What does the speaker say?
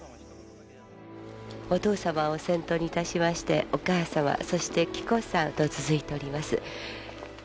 お父様を先頭にいたしまして、お母様、そして紀子さんと続いております。